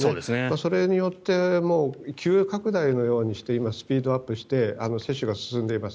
それによって急拡大のようにして今、スピードアップして接種が進んでいます。